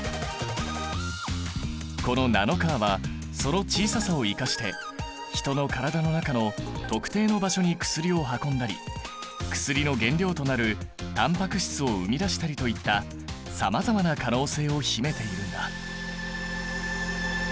このナノカーはその小ささを生かして人の体の中の特定の場所に薬を運んだり薬の原料となるタンパク質を生み出したりといったさまざまな可能性を秘めているんだ。